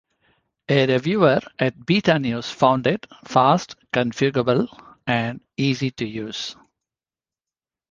A reviewer at BetaNews found it "fast, configurable and easy to use".